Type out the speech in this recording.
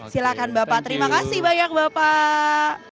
silakan bapak terima kasih banyak bapak